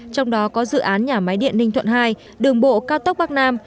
trong đó có dự án nhà máy điện ninh thuận hai đường bộ cao tốc bắc nam